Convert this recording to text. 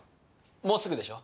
もうすぐでしょ？